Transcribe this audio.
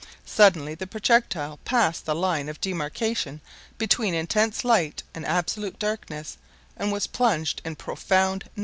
Suddenly the projectile passed the line of demarcation between intense light and absolute darkness, and was plunged in profound night!